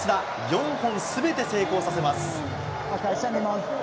４本すべて成功させます。